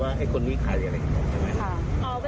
พยายามให้เร็วที่สุดนะคะครับ